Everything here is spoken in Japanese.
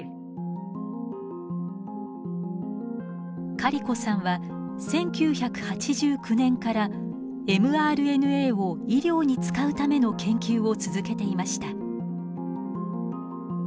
カリコさんは１９８９年からｍＲＮＡを医療に使うための研究を続けていました。